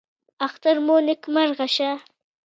اختر مو نیکمرغه شه